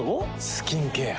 スキンケア。